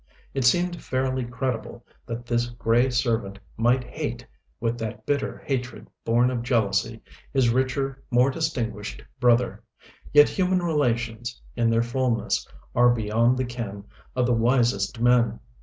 It seemed fairly credible that this gray servant might hate, with that bitter hatred born of jealousy, his richer, more distinguished brother yet human relations, in their fullness, are beyond the ken of the wisest men.